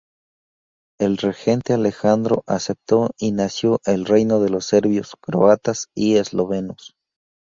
El Regente Alejandro aceptó y nació el Reino de los Serbios, Croatas y Eslovenos.